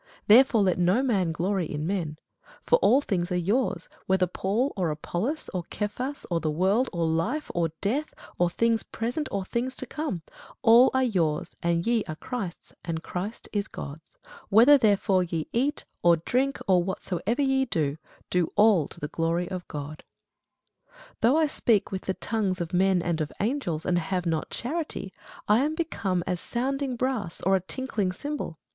Therefore let no man glory in men. For all things are your's; whether Paul, or Apollos, or Cephas, or the world, or life, or death, or things present, or things to come; all are your's; and ye are Christ's; and Christ is God's. Whether therefore ye eat, or drink, or whatsoever ye do, do all to the glory of God. [Sidenote: I. Corinthians 10] Though I speak with the tongues of men and of angels, and have not charity, I am become as sounding brass, or a tinkling cymbal.